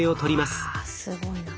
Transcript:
すごいな。